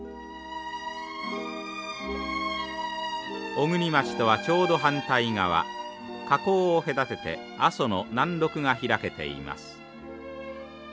小国町とはちょうど反対側火口を隔てて阿蘇の南麓が開けています。